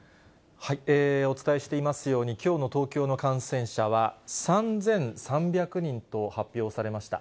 お伝えしていますように、きょうの東京の感染者は３３００人と発表されました。